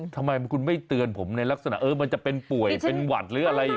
ทำไมคุณไม่เตือนผมในลักษณะมันจะเป็นป่วยเป็นหวัดหรืออะไร